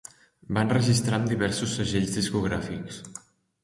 Va enregistrar amb diversos segells discogràfics.